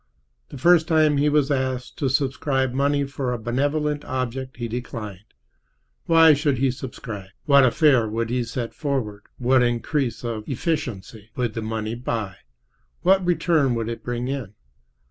The first time he was asked to subscribe money for a benevolent object he declined. Why should he subscribe? What affair would be set forward, what increase of efficiency would the money buy, what return would it bring in?